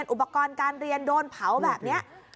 อุปกรณ์การเรียนโดนเผาแบบนี้